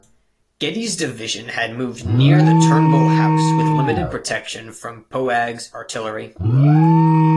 Getty's division had moved near the Turnbull House with limited protection from Poague's artillery.